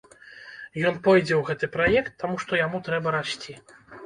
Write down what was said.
Ён пойдзе ў гэты праект, таму што яму трэба расці.